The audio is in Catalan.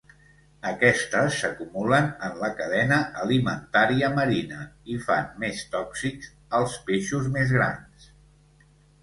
Aquestes s'acumulen en la cadena alimentària marina i fan més tòxics als peixos més grans.